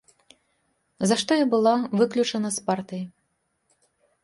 За што і была выключана з партыі.